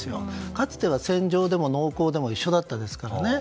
かつては戦場でも農耕でも一緒だったんですから。